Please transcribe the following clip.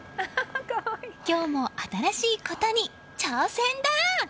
今日も新しいことに挑戦だ！